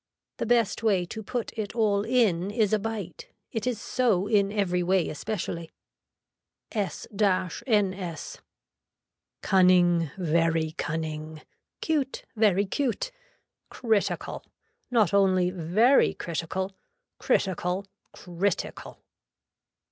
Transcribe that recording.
The best way to put it all in is a bite, it is so in every way especially. S NS. Cunning, very cunning. Cute, very cute, critical, not only very critical, critical, critical.